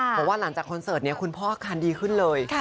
บอกว่าหลังจากคอนเสิร์ตคุณพ่ออาการดีขึ้นเลย